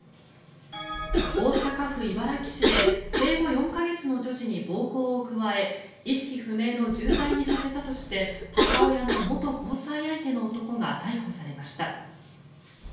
大阪府茨木市で生後４か月の女児に暴行を加え意識不明の重体にさせたとして母親の元交際相手の男が逮捕されました。